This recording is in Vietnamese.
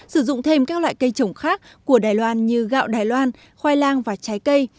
sử dụng thêm các loại cây trồng khác của đài loan như gạo đài loan khoai lang và trái cây